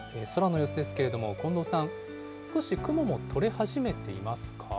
空の様子ですけれども、近藤さん、少し雲も取れ始めていますか？